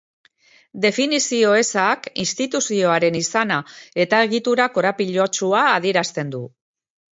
Definizio ezak instituzioaren izana eta egitura korapilatsua adierazten du.